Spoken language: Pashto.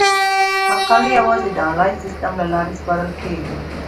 مقالې یوازې د انلاین سیستم له لارې سپارل کیږي.